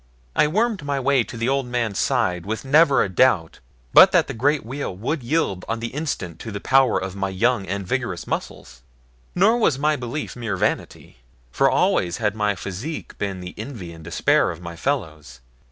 I wormed my way to the old man's side with never a doubt but that the great wheel would yield on the instant to the power of my young and vigorous muscles. Nor was my belief mere vanity, for always had my physique been the envy and despair of my fellows.